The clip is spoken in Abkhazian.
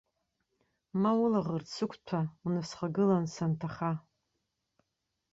Ма улаӷырӡ сықәҭәа унасхагылан, санҭаха.